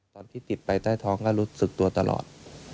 ตอนที่ติดไปใต้ท้องก็รู้สึกตัวตลอด